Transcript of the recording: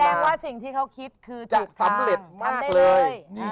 ว่าสิ่งที่เขาคิดคือจะสำเร็จมากเลย